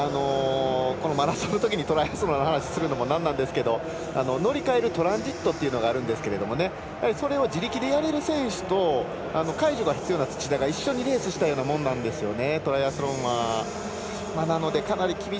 マラソンのときにトライアスロンの話をするのもなんなんですけど乗り換えるトランジットというのがあるんですけれどもそれを自力でやれる選手と介助が必要な土田が一緒にレースしたようなものなんですよね。